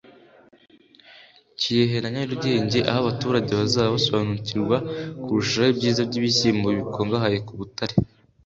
Kirehe na Nyarugenge aho abaturage bazaba basobanurirwa kurushaho ibyiza by’ibishyimbo bikungahaye ku butare